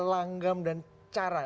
langgam dan cara